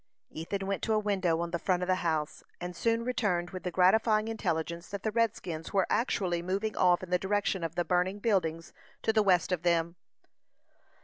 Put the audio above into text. Ethan went to a window on the front of the house, and soon returned with the gratifying intelligence that the redskins were actually moving off in the direction of the burning buildings to the west of them.